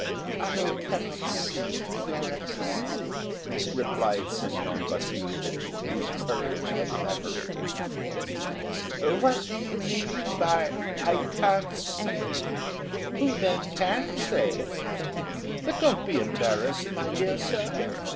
"I cannot say, your Excellency," replied Semyon Vasilyevich, whose courage had evaporated. "What do you mean by? "I can't say'? Who, then, can say? But don't be embarrassed, my dear sir.